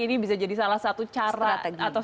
ini bisa jadi salah satu cara atau